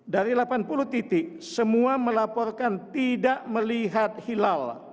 dari delapan puluh titik semua melaporkan tidak melihat hilal